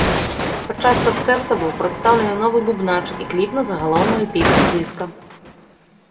Падчас канцэрта быў прадстаўлены новы бубнач і кліп на загалоўную песню дыска.